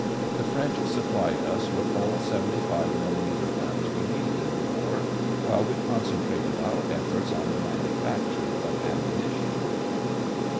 The French supplied us with all 75 millimeter guns we needed in the war, while we concentrated our efforts on the manufacture of ammunition.